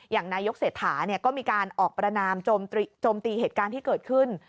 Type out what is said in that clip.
อย่างนายกเศรษฐาก็มีการออกประนามโจมตีเหตุการณ์ที่เกิดขึ้น